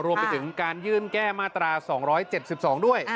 รวมไปถึงการยื่นแก้มาตรา๒๗๒ด้วย